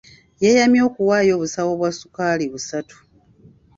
Yeeyamye okuwaayo obusawo bwa ssukaali busatu.